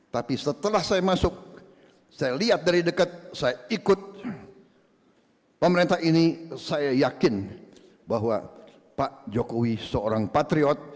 tapi setelah saya masuk saya lihat dari dekat saya ikut pemerintah ini saya yakin bahwa pak jokowi seorang patriot